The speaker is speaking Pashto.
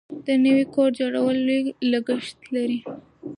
د نوي کور جوړول لوی لګښت لري.